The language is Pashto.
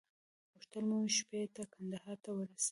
غوښتل مو شپې ته کندهار ته ورسېږو.